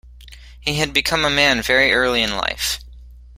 He had become a man very early in life.